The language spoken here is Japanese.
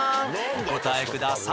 お答えください。